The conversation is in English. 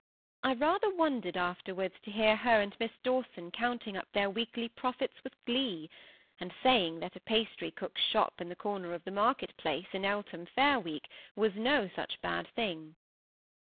I rather wondered afterwards to hear her and Miss Dawson counting up their weekly profits with glee, and saying that a pastry cook's shop in the corner of the market place, in Eltham fair week, was no such bad thing.